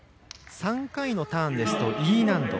３回のターンですとＥ難度。